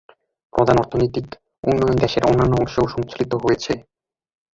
প্রধান অর্থনৈতিক উন্নয়ন দেশের অন্যান্য অংশেও সঞ্চালিত হয়েছে।